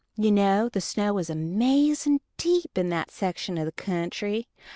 You know the snow is amazin' deep in that section o' the kentry.